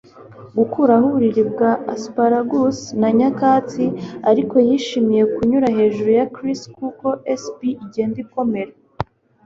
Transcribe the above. gukuraho uburiri bwa asparagus na nyakatsi, ariko yishimiye kunyura hejuru ya Chris, kuko SB igenda ikomera.